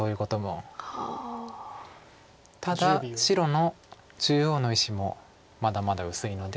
ただ白の中央の石もまだまだ薄いので。